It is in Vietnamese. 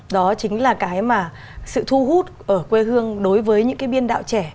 đó chính là cái mà sự thu hút ở quê hương đối với những cái biên đạo trẻ